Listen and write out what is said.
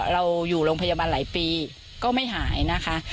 เราอยู่โรงพยาบาลหลายปีก็ไม่หายนะคะ